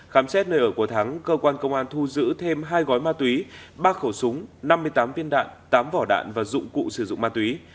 khám xét nơi ở của thắng cơ quan công an thu giữ thêm hai gói ma túy ba khẩu súng năm mươi tám viên đạn tám vỏ đạn và dụng cụ sử dụng ma túy